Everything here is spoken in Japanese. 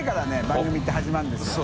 番組って始まるんですよ。